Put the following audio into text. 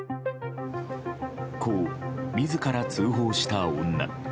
こう、自ら通報した女。